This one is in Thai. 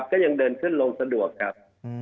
ก็ยังเดินขึ้นลงสะดวกครับ